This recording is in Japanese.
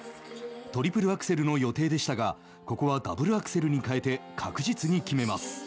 トリプルアクセルの予定でしたがここはダブルアクセルに変えて確実に決めます。